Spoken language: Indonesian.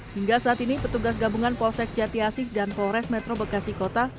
hingga saat ini petugas gabungan polsek jati asih dan polres metro bekasi kota